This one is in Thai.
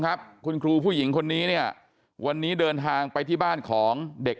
ครับคุณครูผู้หญิงคนนี้เนี่ยวันนี้เดินทางไปที่บ้านของเด็ก